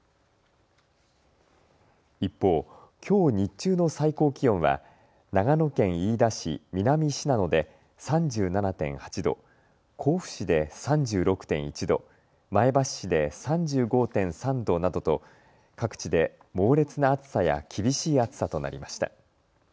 一方、きょう日中の最高気温は長野県飯田市南信濃で３７．８度、甲府市で３６．１度、前橋市で３５．３度などと各地で猛烈な暑さや厳しい暑さとなりました。